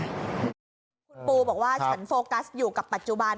คุณปูบอกว่าฉันโฟกัสอยู่กับปัจจุบัน